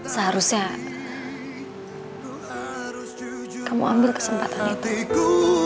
seharusnya kamu ambil kesempatan untukku